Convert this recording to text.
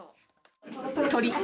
鳥。